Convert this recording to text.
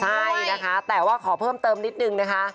ใช่นะคะแต่ว่าขอเพิ่มเติมนิดนึงนะคะ